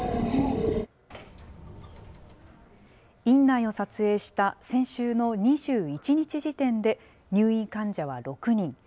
院内を撮影した先週の２１日時点で、入院患者は６人。